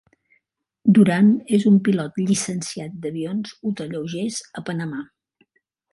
Duran és un pilot llicenciat d'avions ultralleugers a Panamà.